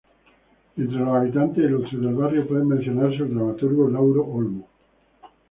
Entre los habitantes ilustres del barrio puede mencionarse al dramaturgo Lauro Olmo.